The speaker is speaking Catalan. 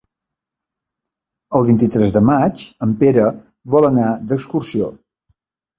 El vint-i-tres de maig en Pere vol anar d'excursió.